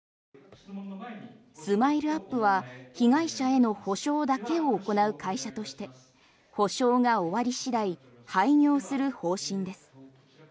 ＳＭＩＬＥ−ＵＰ．は被害者への補償だけを行う会社として補償が終わり次第廃業する方針です。